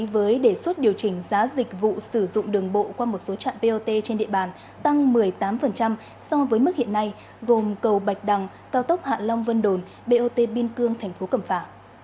với đề xuất điều chỉnh giá dịch vụ sử dụng đường bộ qua một số trạm bot trên địa bàn tăng một mươi tám so với mức hiện nay gồm cầu bạch đằng cao tốc hạ long vân đồn bot biên cương thành phố cẩm phả